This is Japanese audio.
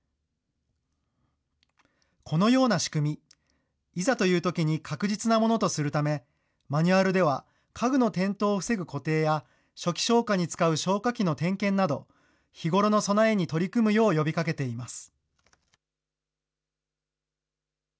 このような仕組み、いざというときに確実なものとするため、マニュアルでは家具の転倒を防ぐ固定や、初期消火に使う消火器の点検など、日頃の備えに取り組むよう呼びかけています。